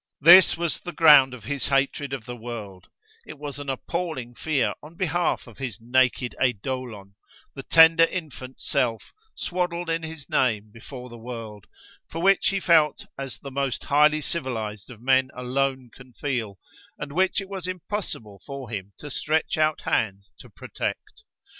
This was the ground of his hatred of the world: it was an appalling fear on behalf of his naked eidolon, the tender infant Self swaddled in his name before the world, for which he felt as the most highly civilized of men alone can feel, and which it was impossible for him to stretch out hands to protect.